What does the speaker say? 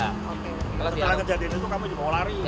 setelah terjadi ini kamu mau lari